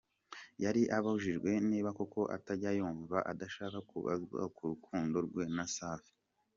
Yari abajijwe niba koko atajya yumva adashaka kubazwa ku rukundo rwe na Safi.